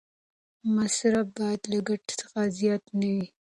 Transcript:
مصرف باید له ګټې څخه زیات نه وي.